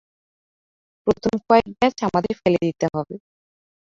প্রথম কয়েক ব্যাচ আমাদের ফেলে দিতে হবে।